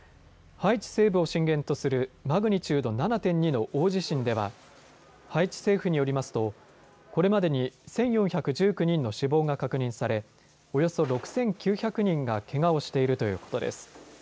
ハイチ西部を震源とするマグニチュード７．２の大地震ではハイチ政府によりますとこれまでに１４１９人の死亡が確認されおよそ６９００人がけがをしているということです。